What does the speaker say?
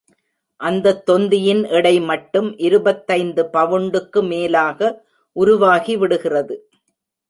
அந்தத் தொந்தியின் எடை மட்டும் இருபத்தைந்து பவுண்டுக்கு மேலாக உருவாகிவிடுகிறது.